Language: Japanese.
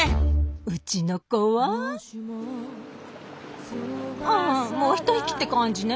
うちの子はうんもう一息って感じね。